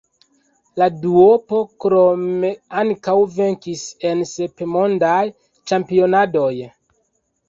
La duopo krome ankaŭ venkis en sep Mondaj Ĉampionadoj.